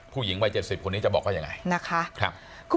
ผู้หญิงวัยเจ็บสิบคนนี้จะบอกว่าอย่างไรนะคะครับ